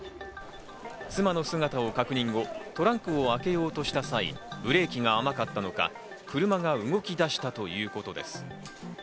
妻の姿を確認後、トランクを開けようとした際、ブレーキが甘かったのか、車が動き出したということです。